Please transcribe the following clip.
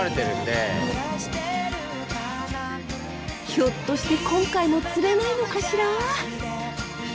ひょっとして今回も釣れないのかしら。